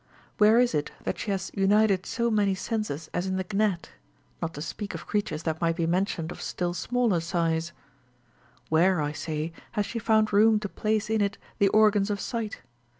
Where is it that she has united so many senses as in the gnat ?— not to speak of creatures that might be mentioned of still smaller size — "Where, I say, has she found room to place in it the organs of sight